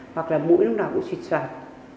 hoặc là mũi lúc nào cũng xuyệt soạt